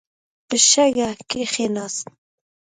په شګه کښېناست.